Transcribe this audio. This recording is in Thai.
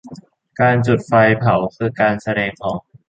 การจุดไฟเผา คือการแสดงออก